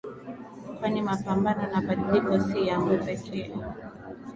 kwani mapambano na mabadiliko si yangu pekee